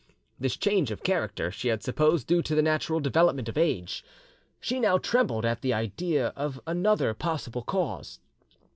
This change of character she had supposed due to the natural development of age, she now trembled at the idea of another possible cause.